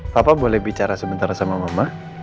papa boleh bicara sebentar sama mama